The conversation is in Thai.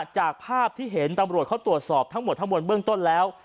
จากภาพที่เห็นตำรวจเขาตรวจสอบทั้งหมดทั้งมวลเบื้องต้นแล้ว